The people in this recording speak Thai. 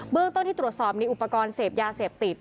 เรื่องต้นที่ตรวจสอบมีอุปกรณ์เสพยาเสพติด